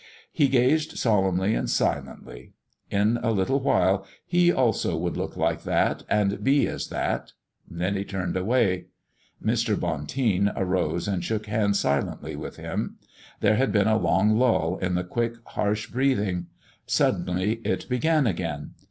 He gazed solemnly and silently. In a little while he also would look like that and be as that then he turned away. Mr. Bonteen arose and shook hands silently with him. There had been a long lull in the quick, harsh breathing; suddenly it began again.